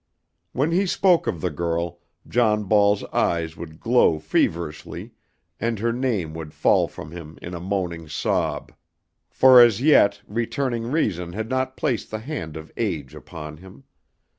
When he spoke of the girl John Ball's eyes would glow feverishly and her name would fall from him in a moaning sob. For as yet returning reason had not placed the hand of age upon him.